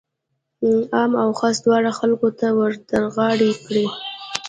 عام او خاص دواړو خلکو ته ورترغاړه کړي.